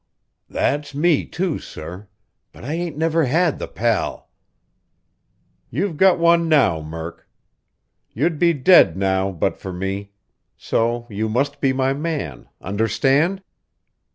"That's me, too, sir; but I ain't ever had the pal." "You've got one now, Murk. You'd be dead now, but for me. So you must be my man, understand?"